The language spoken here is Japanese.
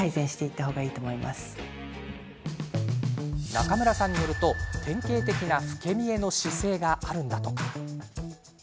中村さんによると、典型的な老け見えの姿勢があるんだとか。